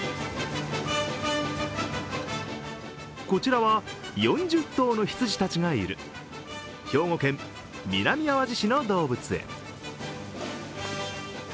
こちらは、４０頭の羊たちがいる兵庫県南あわじ市の動物園。